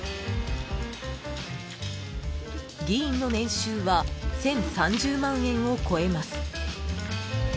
［議員の年収は１，０３０万円を超えます］